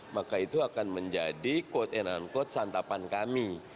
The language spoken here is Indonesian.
maka itu akan menjadi quote and unquote santapan kami